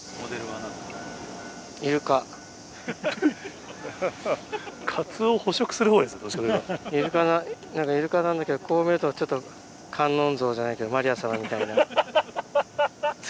イルカイルカなんだけどこう見るとちょっと観音像じゃないけどマリア様みたいな。